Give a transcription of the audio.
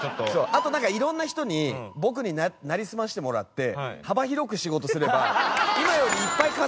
あとなんかいろんな人に僕になりすましてもらって幅広く仕事すれば今よりいっぱい稼ぐ事も。